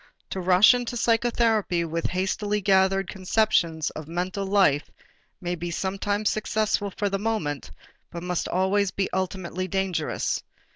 To rush into psychotherapy with hastily gathered conceptions of mental life may be sometimes successful for the moment, but must always be ultimately dangerous.